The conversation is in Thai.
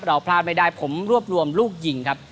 เราพลาดไม่ได้ผมรวบรวมลูกยิงครับ